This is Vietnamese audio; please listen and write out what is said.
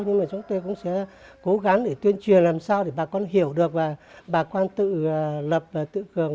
nhưng mà chúng tôi cũng sẽ cố gắng để tuyên truyền làm sao để bà con hiểu được và bà con tự lập và tự cường